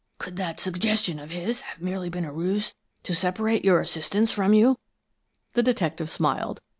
"Could that suggestion of his have been merely a ruse to separate your assistants from you?" The detective smiled.